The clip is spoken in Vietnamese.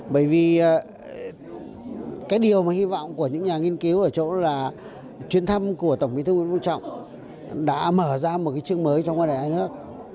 bởi vì cái điều mà hy vọng của những nhà nghiên cứu ở chỗ là chuyến thăm của tổng bí thư nguyễn phú trọng đã mở ra một cái chương mới trong quan hệ hai nước